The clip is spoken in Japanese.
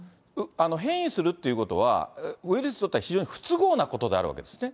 変異するっていうことは、ウイルスにとっては非常に不都合なことであるわけですね。